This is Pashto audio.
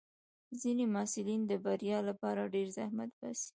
ځینې محصلین د بریا لپاره ډېر زحمت باسي.